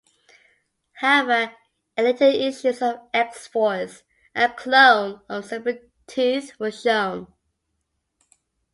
However, in later issues of "X-Force", a clone of Sabretooth was shown.